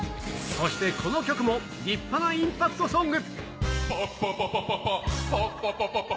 そしてこの曲も立派なインパクトソング。